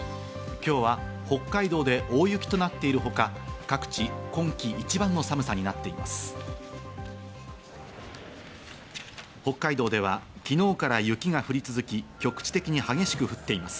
今日は北海道で大雪となっているほか、各地、今季一番の寒さになっています。